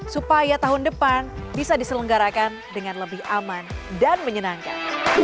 supaya tahun depan bisa diselenggarakan dengan lebih aman dan menyenangkan